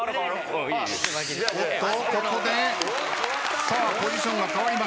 おっとここでポジションが替わりました。